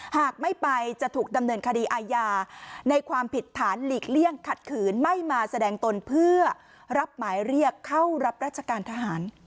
หากไม่ไปจะถูกดำเนินคดีอาญาในความผิดฐานหลีกเลี่ยงขัดขืนไม่มาแสดงตนเพื่อรับหมายเรียกเข้ารับราชการทหาร